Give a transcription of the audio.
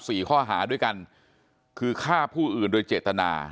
สี่ข้อหาด้วยกันคือฆ่าผู้อื่นโดยเจตนา